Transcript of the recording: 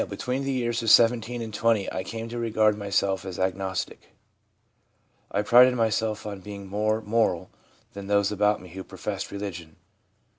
'Between the years of 17 and 20 I came to regard myself as an agnostic. I prided myself on being more moral than those about me who professed religion/ M.